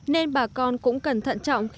nên bà con cũng cần thận thức thu hoạch